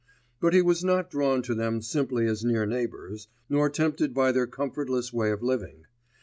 But he was not drawn to them simply as near neighbours, nor tempted by their comfortless way of living.